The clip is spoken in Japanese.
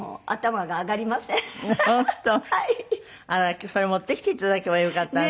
あら今日それ持ってきていただければよかったわね。